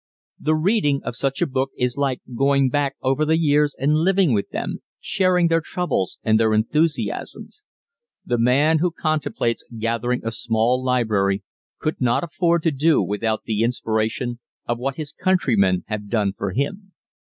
The reading of such a book is like going back over the years and living with them, sharing their troubles and their enthusiasms. The man who contemplates gathering a small library could not afford to do without the inspiration of what his countrymen have done for him.